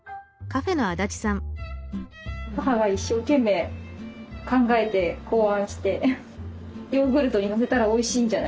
母が一生懸命考えて考案してヨーグルトにのせたらおいしいんじゃないかって。